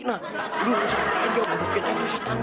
nah udah lu siapin aja bukannya tuh setan ya